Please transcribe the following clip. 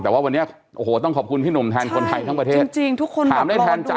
แต่วันนี้ต้องขอบคุณพี่หนุ่มแทนคนไทยภารกิจ